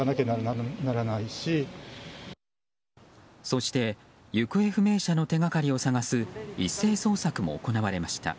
そして行方不明者の手掛かりを探す一斉捜索も行われました。